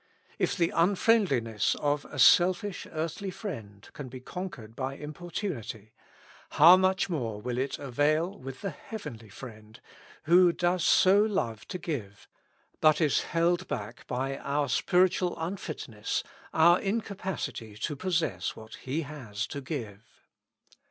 If the unfriendliness of a selfish earthly friend can be conquered by importunity, how much more will it avail with the heavenly Friend, who does so love to give, but is held back by our spiritual unfitness, our incapacity to posses what He has to give.